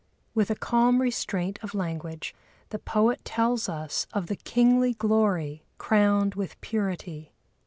With a calm restraint of language the poet tells us of the kingly glory crowned with purity.